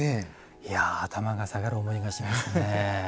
いや頭が下がる思いがしますね。